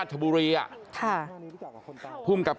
กลับไปลองกลับ